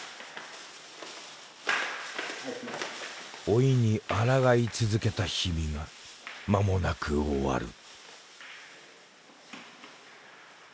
老いにあらがい続けた日々がまもなく終わる。